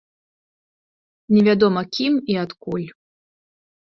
Невядома кім і адкуль.